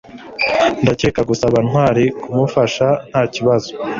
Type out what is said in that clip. ndakeka gusaba ntwali kumufasha ntakibazo